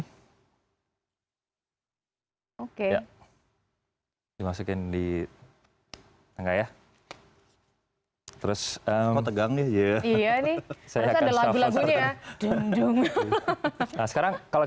hai oke dimasukin di enggak ya hai terus tegangnya iya nih lagunya sekarang kalau